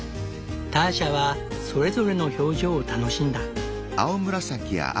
ターシャはそれぞれの表情を楽しんだ。